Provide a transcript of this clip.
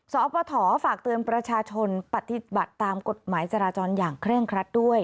สปฐฝากเตือนประชาชนปฏิบัติตามกฎหมายจราจรอย่างเคร่งครัดด้วย